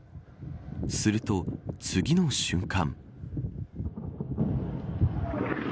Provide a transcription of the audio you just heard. すると次の瞬間。